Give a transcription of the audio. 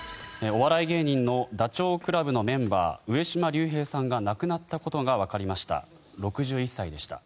お笑い芸人のダチョウ倶楽部のメンバー上島竜兵さんが亡くなったことがわかりました。